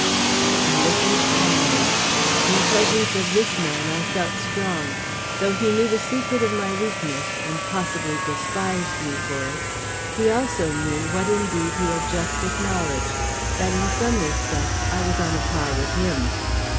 I listened calmly. In the presence of this man I felt strong. Though he knew the secret of my weakness, and possibly despised me for it, he also knew what indeed he had just acknowledged, that in some respects I was on a par with him.